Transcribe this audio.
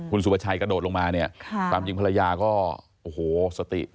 คุณสุภาชัยกระโดดลงมาเนี่ยความจริงภรรยาก็โอ้โหสติ